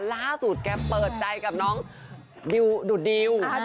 ล่าสุดแกเปิดใจกับน้องดิวดุดดิว